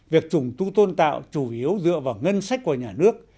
việc chủng tour tôn tạo chủ yếu dựa vào ngân sách của nhà nước